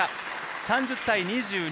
３０対２２。